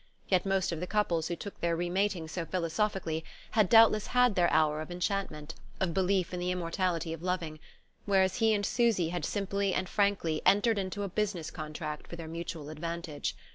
Yet most of the couples who took their re matings so philosophically had doubtless had their hour of enchantment, of belief in the immortality of loving; whereas he and Susy had simply and frankly entered into a business contract for their mutual advantage.